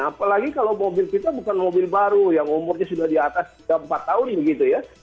apalagi kalau mobil kita bukan mobil baru yang umurnya sudah di atas empat tahun begitu ya